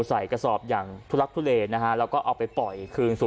ใส่กระสอบอย่างทุลักทุเลนะฮะแล้วก็เอาไปปล่อยคืนสู่